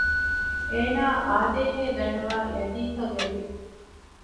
އޭނާ އާދޭހޭ ދަންނަވައި ޔަގީންކަން އެރުވި